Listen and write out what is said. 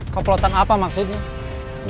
komplotan apa maksudnya